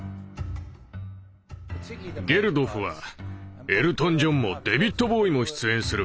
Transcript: ゲルドフは「エルトン・ジョンもデビッド・ボウイも出演する。